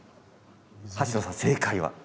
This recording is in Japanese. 橋野さん、正解は。